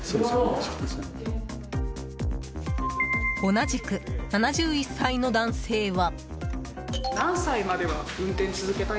同じく７１歳の男性は。